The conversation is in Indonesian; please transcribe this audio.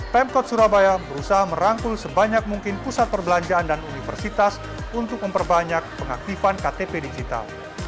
pemkot surabaya berusaha merangkul sebanyak mungkin pusat perbelanjaan dan universitas untuk memperbanyak pengaktifan ktp digital